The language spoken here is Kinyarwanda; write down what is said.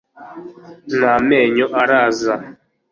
nta menyo araza